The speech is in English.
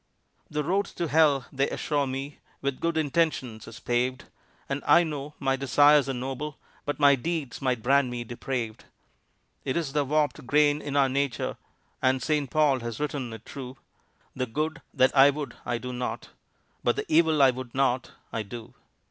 The road to hell, they assure me, With good intentions is paved; And I know my desires are noble, But my deeds might brand me depraved. It's the warped grain in our nature, And St. Paul has written it true: "The good that I would I do not; But the evil I would not I do."